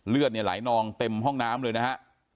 เลือดเนี่ยไหลนองเต็มห้องน้ำเลยนะฮะ